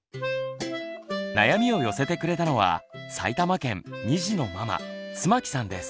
悩みを寄せてくれたのは埼玉県２児のママ妻木さんです。